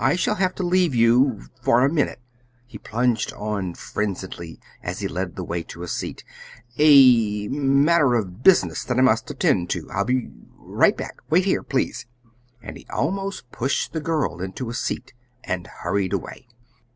I shall have to leave you for a minute," he plunged on frenziedly, as he led the way to a seat; "A matter of business that I must attend to. I'll be right back. Wait here, please!" And he almost pushed the girl into a seat and hurried away.